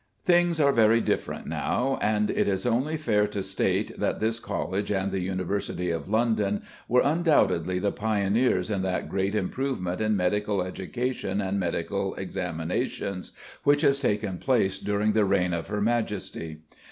Things are very different now, and it is only fair to state that this College and the University of London were undoubtedly the pioneers in that great improvement in medical education and medical examinations which has taken place during the reign of Her Majesty.